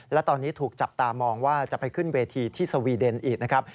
และตอนนี้ถูกจับตามองว่าจะไปขึ้นเวทีที่สวีเดนอีกนะครับ